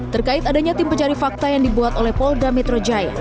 terkait adanya tim pencari fakta yang dibuat oleh polda metro jaya